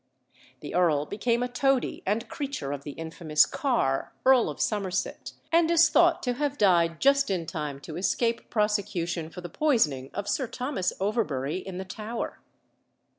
The earl became a toady and creature of the infamous Carr, Earl of Somerset, and is thought to have died just in time to escape prosecution for the poisoning of Sir Thomas Overbury in the Tower.